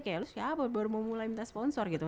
kayak lo siapa baru mau minta sponsor gitu